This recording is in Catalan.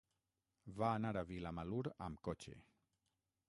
Va anar a Vilamalur amb cotxe.